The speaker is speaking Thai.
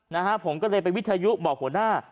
นะฮะผมก็เลยไปวิทยุบอกหัวหน้า